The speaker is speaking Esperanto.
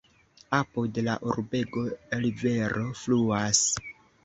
Apud la urbego rivero fluas.